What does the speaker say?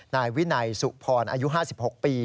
นายวินัยสุพรอายุ๕๖ปี